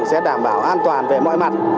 sẽ đảm bảo an toàn về mọi mặt